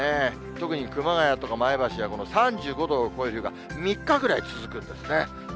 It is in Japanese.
特に熊谷とか前橋は、この３５度を超える日が３日ぐらい続くんですね。